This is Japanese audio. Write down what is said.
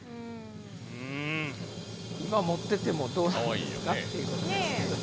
今持っててもどうなんですかっていうことですけど。